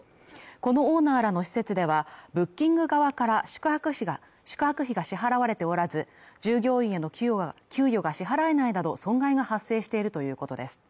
このオーナーらの施設ではブッキング側から宿泊費が支払われておらず従業員への給与が給与が支払えないなど損害が発生しているということです